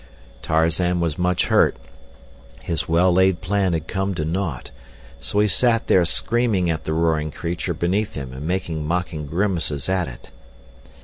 Tarzan was much hurt. His well laid plan had come to naught, so he sat there screaming at the roaring creature beneath him and making mocking grimaces at it.